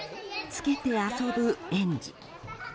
着けて遊ぶ園児。